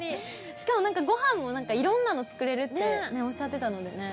しかもご飯もなんか色んなの作れるっておっしゃってたのでね。